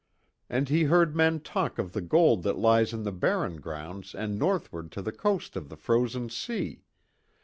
And he heard men talk of the gold that lies in the barren grounds and northward to the coast of the frozen sea.